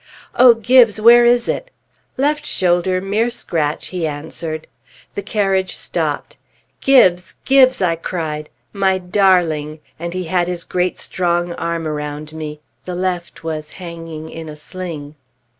"O Gibbes, where is it?" "Left shoulder; mere scratch," he answered. The carriage stopped, "Gibbes! Gibbes!" I cried. "My darling!" and he had his great strong arm around me; the left was hanging in a sling.